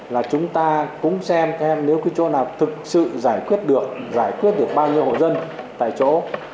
là chúng ta cũng xem thêm nếu cái chỗ nào thực sự giải quyết được giải quyết được bao nhiêu hộ dân tại chỗ